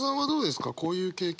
こういう経験は。